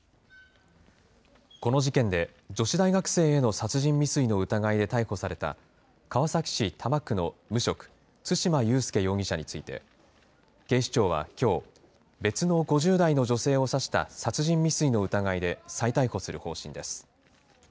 この事件で、女子大学生への殺人未遂の疑いで逮捕された川崎市多摩区の無職、對馬悠介容疑者について、警視庁はきょう、別の５０代の女性を刺した殺人未遂の疑いで再逮捕する方針です。